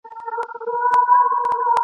د ورور په وینو او له بدیو !.